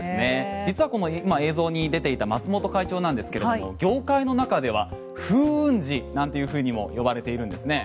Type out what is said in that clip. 実はこの映像に出ていた松本会長なんですけども業界の中では風雲児なんていうふうにも呼ばれているんですね。